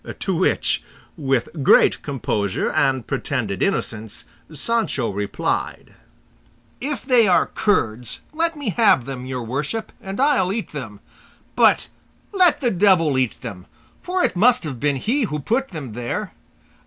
To which, with great composure and pretended innocence, Sancho replied, "If they are curds let me have them, your worship, and I'll eat them; but let the devil eat them, for it must have been he who put them there.